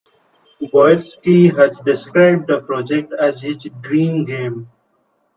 Boyarsky has described the project as his "dream game".